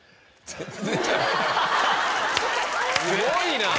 すごいな！